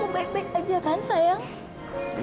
oh baik baik aja kan sayang